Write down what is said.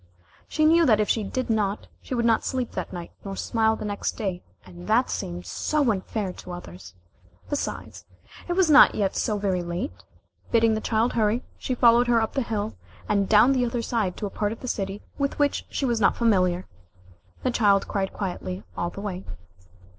She knew that if she did not, she would not sleep that night, nor smile the next day and that seemed so unfair to others. Besides, it was not yet so very late. Bidding the child hurry, she followed her up the hill, and down the other side to a part of the city with which she was not familiar. The child cried quietly all the way.